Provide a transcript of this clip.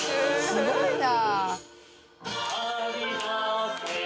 すごいね。